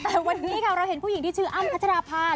แต่วันนี้ค่ะเราเห็นผู้หญิงที่ชื่ออ้ำพัชราภา